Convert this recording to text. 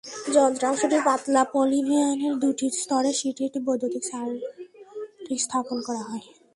যন্ত্রাংশটির পাতলা পলিভিনাইলের দুটি স্তরের শীর্ষে একটি বৈদ্যুতিক সার্কিট স্থাপন করা হয়।